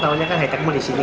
taunya kan hitech mall di sini